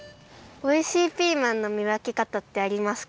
おいしいピーマンのみわけかたってありますか？